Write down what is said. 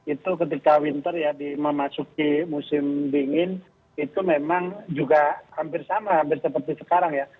itu ketika winter ya memasuki musim dingin itu memang juga hampir sama hampir seperti sekarang ya